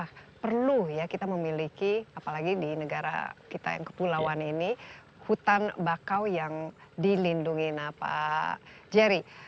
apakah perlu ya kita memiliki apalagi di negara kita yang kepulauan ini hutan bakau yang dilindungi pak jerry